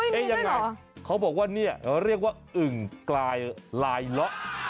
ยังไงเขาบอกว่าเนี่ยเรียกว่าอึ่งกลายลายล็อก